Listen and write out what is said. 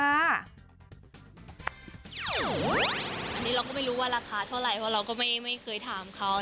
อันนี้เราก็ไม่รู้ว่าราคาเท่าไหร่เพราะเราก็ไม่เคยถามเขา